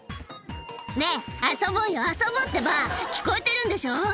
「ねぇ遊ぼうよ遊ぼうってば聞こえてるんでしょ」